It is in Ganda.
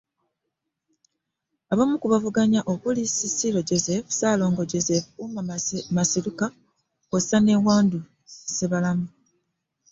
Abamu ku bavuganya okuli; Sisiro Joseph Salongo Joseph, Umar Maseruka kwosa ne Wuudu Sebalamu